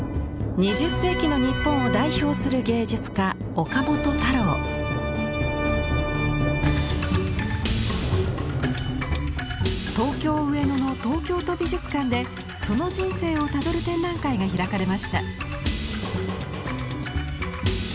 ２０世紀の日本を代表する芸術家東京上野の東京都美術館でその人生をたどる展覧会が開かれました。